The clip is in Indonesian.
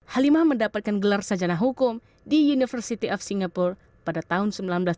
halimah mendapatkan gelar sajana hukum di university of singapore pada tahun seribu sembilan ratus tujuh puluh